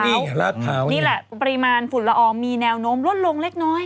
นี่แหละปริมาณฝุ่นละอองมีแนวโน้มลดลงเล็กน้อย